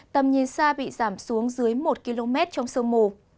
tầm nhìn xa bị giảm xuống dưới một km trong sương mù